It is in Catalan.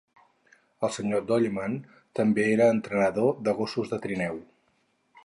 El senyor Dolleman també era entrenador de gossos de trineu.